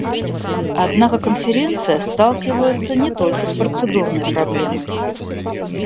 Однако Конференция сталкивается не только с процедурной проблемой.